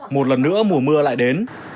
một lần nữa mùa mưa lại đến